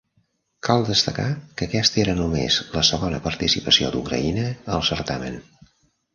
Cal destacar que aquesta era només la segona participació d'Ucraïna al certamen.